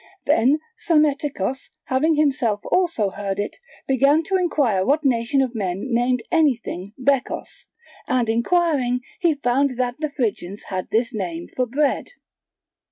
Then Psammetichos having himself also heard it, began to inquire what nation of men named anything bekos, and inquiring he found that the Phrygians had this name for bread.